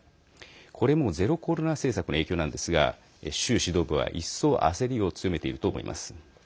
これも、ゼロコロナ政策の影響なんですが習指導部は一層焦りを強めていると思います。